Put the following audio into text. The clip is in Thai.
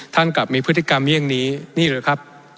ท่านกลับมีพฤติกรรมเยี่ยมนี้นี่เลยครับ